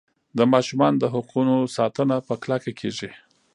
د ماشومانو د حقونو ساتنه په کلکه کیږي.